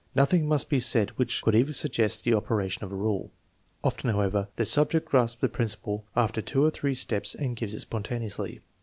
Nothing must be said which could even suggest the operation of a rule. Often, however, the subject grasps the principle after two or three steps and gives it spontaneously.